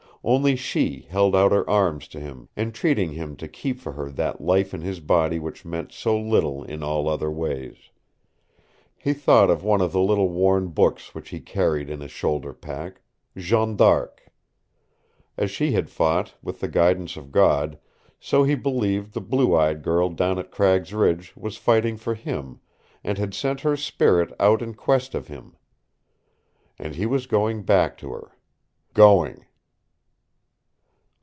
Only she held out her arms to him, entreating him to keep for her that life in his body which meant so little in all other ways. He thought of one of the little worn books which he carried in his shoulder pack Jeanne D'Arc. As she had fought, with the guidance of God, so he believed the blue eyed girl down at Cragg's Ridge was fighting for him, and had sent her spirit out in quest of him. And he was going back to her. GOING!